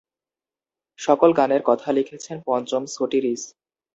সকল গানের কথা লিখেছেন পঞ্চম সটিরিস।